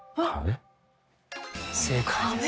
正解です。